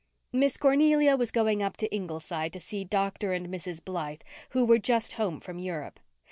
Miss Cornelia was going up to Ingleside to see Dr. and Mrs. Blythe, who were just home from Europe.